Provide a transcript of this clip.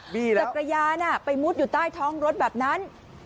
มีแล้วจักรยานไปมุดอยู่ใต้คล้องรถแบบนั้น